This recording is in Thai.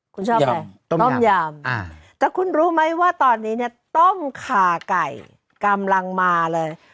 คุณชอบอะไรต้มยำแต่คุณรู้ไหมว่าตอนนี้เนี่ยต้มขาไก่กำลังมาเลย